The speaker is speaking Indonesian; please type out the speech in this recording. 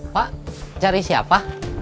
pak cari siapa